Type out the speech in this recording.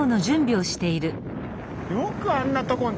よくあんなとこに。